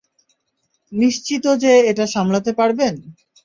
নিশ্চিত যে এটা সামলাতে পারবেন?